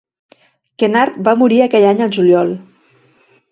Kennard va morir aquell any al juliol.